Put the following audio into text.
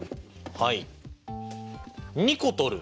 はい。